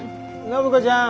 暢子ちゃん。